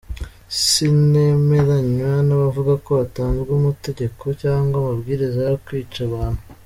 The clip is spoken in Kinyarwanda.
Sinemeranywa n’abavuga ko hatanzwe amategeko cyangwa amabwiriza yo kwica abantu.